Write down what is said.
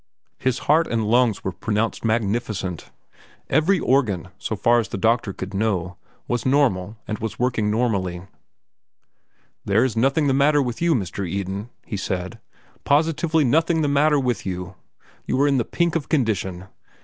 His heart and lungs were pronounced magnificent. Every organ, so far as the doctor could know, was normal and was working normally. "There is nothing the matter with you, Mr. Eden," he said, "positively nothing the matter with you. You are in the pink of condition.